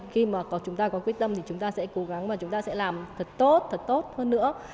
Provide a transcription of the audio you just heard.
khi mà chúng ta có quyết tâm thì chúng ta sẽ cố gắng và chúng ta sẽ làm thật tốt thật tốt hơn nữa